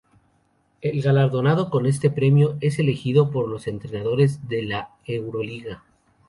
El galardonado con este premio es elegido por los entrenadores de la Euroliga.